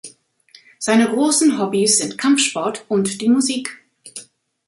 Seine großen Hobbys sind Kampfsport und die Musik.